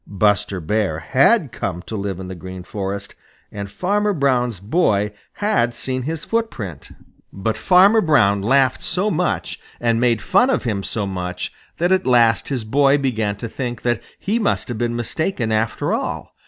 Buster Bear had come to live in the Green Forest, and Farmer Brown's boy had seen his footprint. But Farmer Brown laughed so much and made fun of him so much, that at last his boy began to think that he must have been mistaken after all.